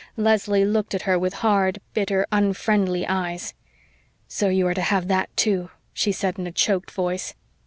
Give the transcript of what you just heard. Leslie looked at her with hard, bitter, unfriendly eyes. "So you are to have THAT, too," she said in a choked voice.